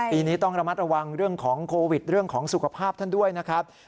ปีนี้ต้องระมัดระวังเรื่องของโควิดเรื่องของสุขภาพท่านด้วยนะครับ